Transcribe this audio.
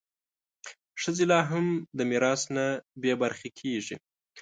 ښځې لا هم د میراث نه بې برخې کېږي.